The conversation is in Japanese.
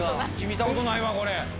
見たことないわこれ。